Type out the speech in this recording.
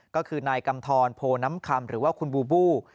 ก็คือนายกำทรโพน้ำคำหรือว่าคุณบูบู